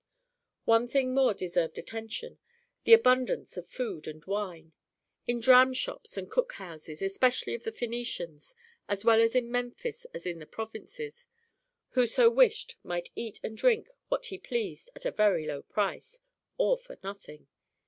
One thing more deserved attention: the abundance of food and wine. In dramshops and cook houses, especially of the Phœnicians, as well in Memphis as in the provinces, whoso wished might eat and drink what he pleased at a very low price, or for nothing.